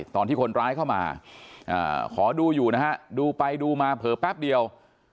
ตอนที่คนร้ายเข้ามาขอดูอยู่นะฮะดูไปดูมาเผลอแป๊บเดียว